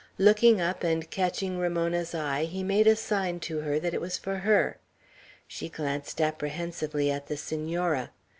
Looking up, and catching Ramona's eye, he made a sign to her that it was for her. She glanced apprehensively at the Senora.